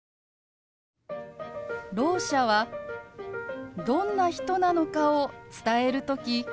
ろう者はどんな人なのかを伝える時